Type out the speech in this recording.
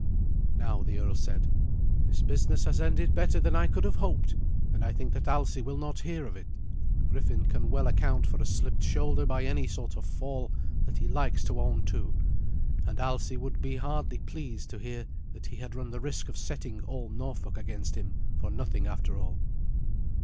Now the earl said, "This business has ended better than I could have hoped, and I think that Alsi will not hear of it. Griffin can well account for a slipped shoulder by any sort of fall that he likes to own to, and Alsi would be hardly pleased to hear that he had run the risk of setting all Norfolk against him for nothing after all."